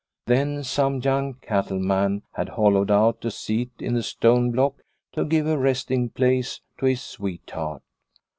Then some young cattle man had hollowed out a seat in the stone block to give a resting place to his sweetheart.